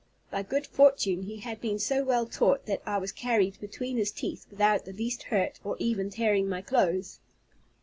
By good fortune he had been so well taught, that I was carried between his teeth without the least hurt, or even tearing my clothes.